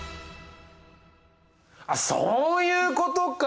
あっそういうことか。